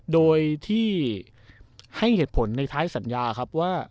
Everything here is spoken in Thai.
โดยที่ให้เหตุผลในท้ายสัญญาครับว่า